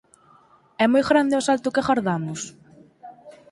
É moi grande o asalto que agardamos?